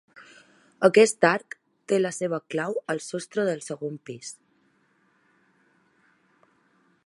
Aquest arc té la seva clau al sostre del segon pis.